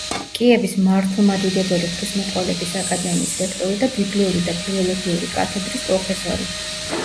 კიევის მართლმადიდებელი ღვთისმეტყველების აკადემიის რექტორი და ბიბლიური და ფილოლოგიური კათედრის პროფესორი.